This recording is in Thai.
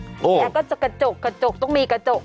แล้วก็จะกระจกกระจกต้องมีกระจก